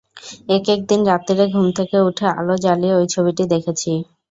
এক-একদিন রাত্তিরে ঘুম থেকে উঠে আলো জ্বালিয়ে ঐ ছবিটি দেখেছি।